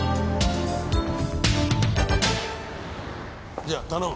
じゃあ頼む。